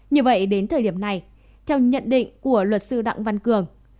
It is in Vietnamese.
như vậy đến thời điểm này theo nhận định của luật sư đặng văn cường